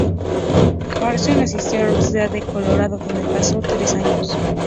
Harrison asistió a la Universidad de Colorado, donde pasó tres años.